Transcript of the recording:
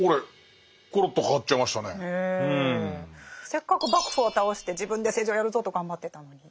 せっかく幕府を倒して自分で政治をやるぞと頑張ってたのに。